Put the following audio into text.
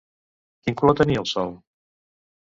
Quin color tenia el sol?